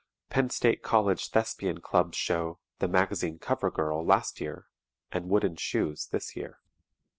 Penn. State College Thespian Club's Show, "The Magazine Cover Girl" last year, and "Wooden Shoes" this year.